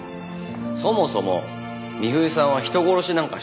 そもそも美冬さんは人殺しなんかしてませんから。